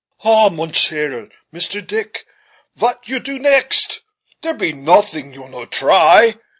"Ah! mon cher Mister Deeck, vat you do next? dere be noting you no try."